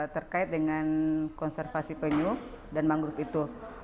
terkait dengan konservasi penyu dan mangrove itu